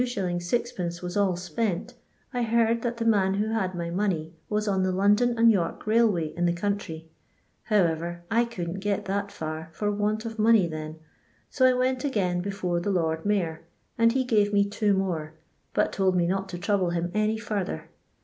9tL was all spent, I heard that the man who had ny money was on the London and York Railway in the country; however, I couldn't get that far for want of money then ; so I went again before the Lord Mayor, and he save me two more, but told me not to trouble him any further.